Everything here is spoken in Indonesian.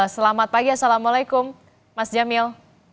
selamat pagi assalamualaikum mas jamil